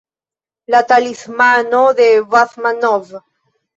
La talismano de Basmanov.